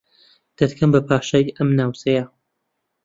دەتکەم بە پاشای ئەم ناوچەیە